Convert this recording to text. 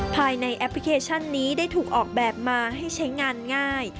แอปพลิเคชันนี้ได้ถูกออกแบบมาให้ใช้งานง่าย